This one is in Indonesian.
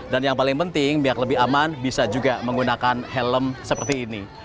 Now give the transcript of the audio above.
dan yang paling penting biar lebih aman bisa juga menggunakan helm seperti ini